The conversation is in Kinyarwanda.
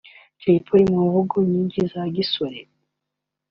Jay Polly mu mvugo nyinshi za gisore